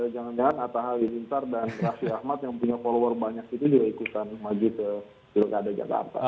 jangan jangan atta halilintar dan raffi ahmad yang punya follower banyak itu juga ikutan maju ke pilkada jakarta